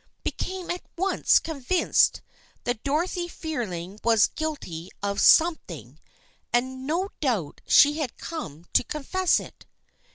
") became at once convinced that Dorothy Fearing was guilty of something, and no doubt she had come to con fess it.